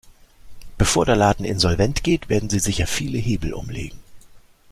Bevor der Laden insolvent geht, werden sie sicher viele Hebel umlegen.